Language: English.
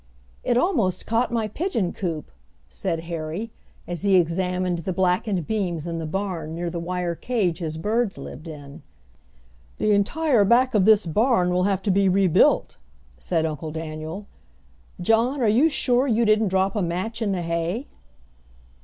"It almost caught my pigeon coop!" said Harry, as he examined the blackened beams in the barn near the wire cage his birds lived in. "The entire back of this barn will have to be rebuilt," said Uncle Daniel. "John, are you sure you didn't drop a match in the hay?"